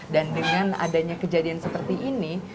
dan dengan adanya kejadian seperti ini